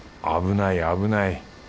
危ない危ない。